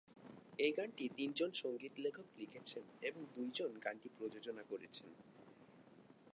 এই গানটি তিনজন সঙ্গীত লেখক লিখেছেন এবং দুইজন গানটি প্রযোজনা করেছেন।